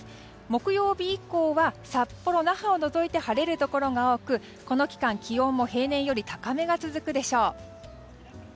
木曜日以降は札幌、那覇を除いて晴れるところが多くこの期間、気温も平年より高めが続くでしょう。